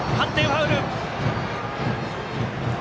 ファウル！